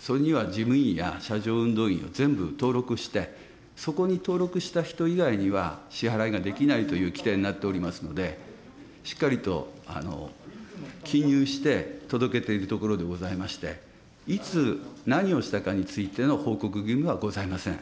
それには事務員や車上運動員を全部登録して、そこに登録した人以外には支払いができないという規定になっておりますので、しっかりと記入して、届けているところでございまして、いつ何をしたかについての報告義務はございません。